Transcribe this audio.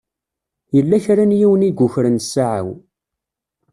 Yella kra n yiwen i yukren ssaɛa-w.